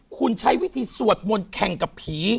คุณใช้วิธีสวดมนต์แข่งกับผี